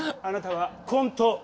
あなたはコント